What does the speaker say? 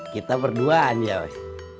kita berdua aja bos